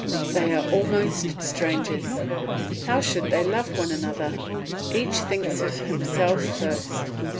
They are almost strangers; how should they love one another? Each thinks of himself first.